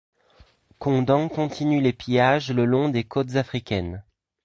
Condent continue les pillages le long des côtes africaines.